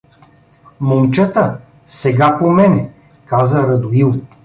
— Момчета, сега по мене — каза Радоил.